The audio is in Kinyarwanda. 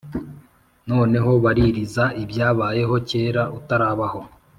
Noneho baririza ibyabayeho kera utarabaho,